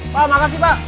pak makasih pak